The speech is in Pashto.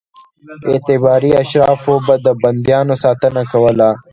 اعتباري اشرافو به د بندیانو ساتنه کوله.